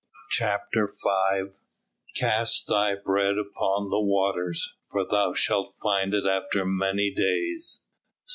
CHAPTER V "Cast thy bread upon the waters: for thou shalt find it after many days."